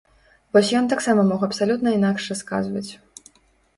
Вось ён таксама мог абсалютна інакш расказваць.